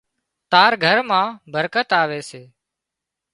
تار گھر مان برڪت آوي سي